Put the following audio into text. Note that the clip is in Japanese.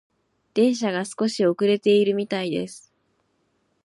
電車が少し遅れているみたいです。